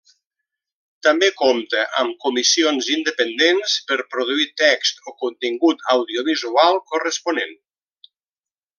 També compta amb comissions independents per produir text o contingut audiovisual corresponent.